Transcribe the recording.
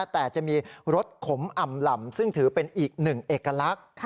แต่จะมีรสขมอำหล่ำซึ่งถือเป็นอีกหนึ่งเอกลักษณ์